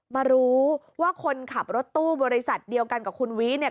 มารู้ว่าคนขับรถตู้บริษัทเดียวกันกับคุณวิเนี่ย